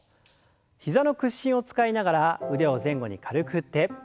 膝の屈伸を使いながら腕を前後に軽く振って。